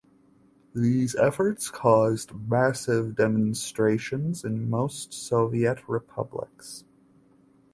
These efforts caused massive demonstrations in most Soviet republics.